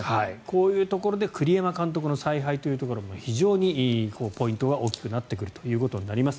こういうところで栗山監督の采配というところも非常にポイントは大きくなってくるということになります。